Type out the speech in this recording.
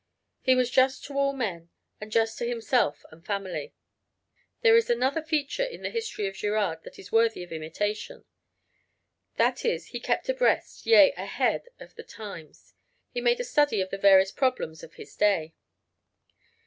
He was just to all men and just to himself and family. There is another feature in the history of Girard that is worthy of imitation; that is he kept abreast, yea, ahead of the times, he made a study of the various problems of his day.